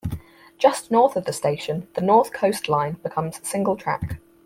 Just north of the station, the North Coast line becomes single track.